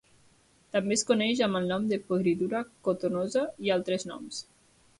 També es coneix amb el nom de podridura cotonosa i altres noms.